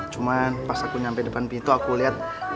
cuman pas aku nyampe depan pintu aku lihat